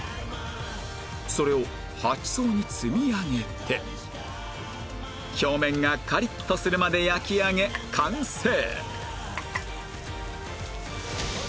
それを８層に積み上げて表面がカリッとするまで焼き上げ完成